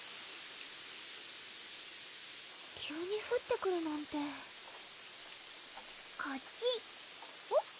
急にふってくるなんて・こっち・えっ？